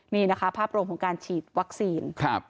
นี่นะคะภาพรวมของการฉีดวัคซีน